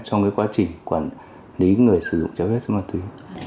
trong quá trình quản lý người sử dụng trái phép chất ma túy